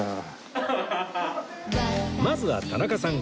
まずは田中さん